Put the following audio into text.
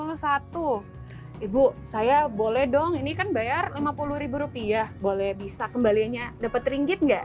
rp empat puluh satu ibu saya boleh dong ini kan bayar rp lima puluh boleh bisa kembaliannya dapat ringgit nggak